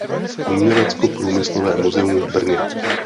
Uměleckoprůmyslové muzeum v Brně.